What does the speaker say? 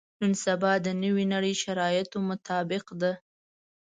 نن سبا د نوې نړۍ شرایطو مطابق ده.